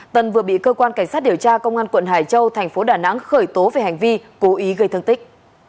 tân vừa bị cơ quan cảnh sát điều tra công an quận hải châu thành phố đà nẵng khởi tố về hành vi cố ý gây thương tích